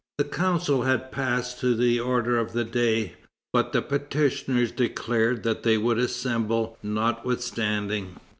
The Council had passed to the order of the day, but the petitioners declared that they would assemble notwithstanding.